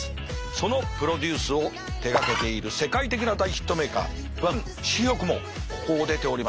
そのプロデュースを手がけている世界的な大ヒットメーカーバン・シヒョクもここを出ております。